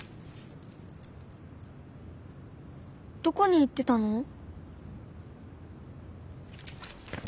どこに行ってたの？